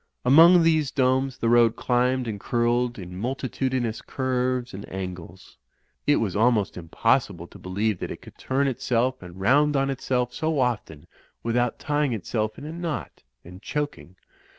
Among these domes the road climbed and curled in multitudinous curves and angles. It was almost im possible to believe that it could turn itself and rotind on itself so often without tying itself in a knot and choking.